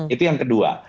itu yang kedua